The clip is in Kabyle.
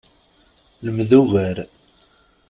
Lmed ugar.